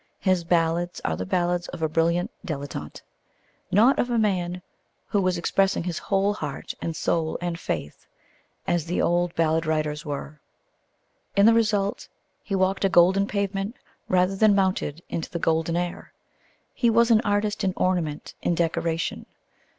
His ballads are the ballads of a brilliant dilettante, not of a man who is expressing his whole heart and soul and faith, as the old ballad writers were. In the result he walked a golden pavement rather than mounted into the golden air. He was an artist in ornament, in decoration.